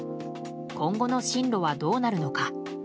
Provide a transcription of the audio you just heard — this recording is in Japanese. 今後の進路はどうなるのか。